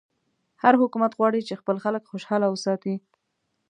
هر حکومت غواړي چې خپل خلک خوشحاله وساتي.